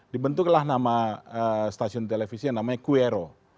dibentuklah nama stasiun televisi yang namanya kuero